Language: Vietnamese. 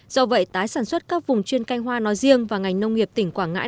do vậy tái sản xuất các vùng chuyên canh hoa nói riêng và ngành nông nghiệp tỉnh quảng ngãi